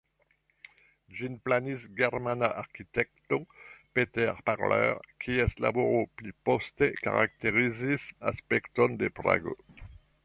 Ĝin planis germana arkitekto Peter Parler, kies laboro pli poste karakterizis aspekton de Prago.